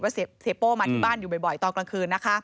เสียโป้มาที่บ้านอยู่บ่อยตอนกลางคืนนะคะ